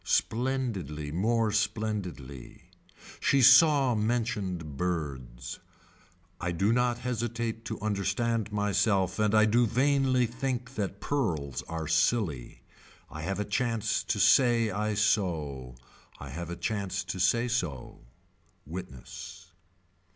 Splendidly more splendidly. She saw mentioned birds. I do not hesitate to understand myself and I do vainly think that pearls are silly. I have a chance to say I sew. I have a chance to say so. Witness.